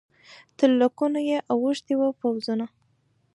تر لکونو یې اوښتي وه پوځونه